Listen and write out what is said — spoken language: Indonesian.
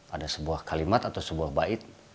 ada sebuah kalimat atau sebuah bait